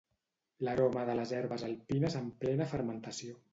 L'aroma de les herbes alpines en plena fermentació.